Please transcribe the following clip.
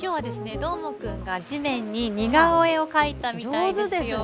どーもくんが地面に似顔絵を描いたみたいですよ。